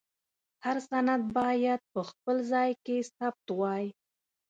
هر سند باید په خپل ځای کې ثبت وای.